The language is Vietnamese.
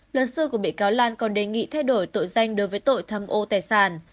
luật sư của bị cáo lan còn đề nghị thay đổi tội danh đối với tội tham ô tài sản